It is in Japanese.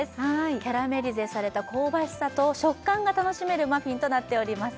キャラメリゼされた香ばしさと食感が楽しめるマフィンとなっております